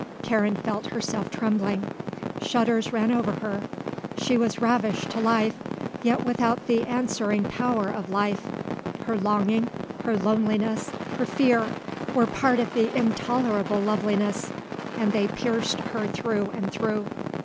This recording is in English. Karen felt herself trembling. Shudders ran over her. She was ravished to life, yet without the answering power of life. Her longing, her loneliness, her fear, were part of the intolerable loveliness and they pierced her through and through.